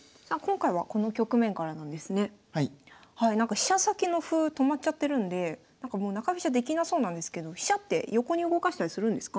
飛車先の歩止まっちゃってるんで中飛車できなそうなんですけど飛車って横に動かしたりするんですか？